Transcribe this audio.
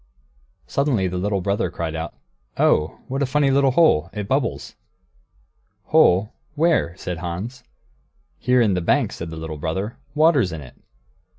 Suddenly the little brother called out, "Oh, what a funny little hole! It bubbles!" "Hole? Where?" said Hans. "Here in the bank," said the little brother; "water's in it."